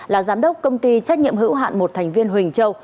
là giám đốc công ty trách nhiệm hữu hạn một thành viên huỳnh châu